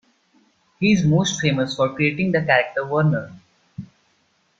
He is most famous for creating the character Werner.